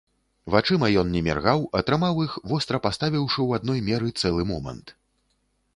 Вачыма ён не міргаў, а трымаў іх, востра паставіўшы ў адной меры цэлы момант.